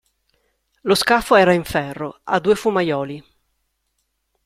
Lo scafo era in ferro, a due fumaioli.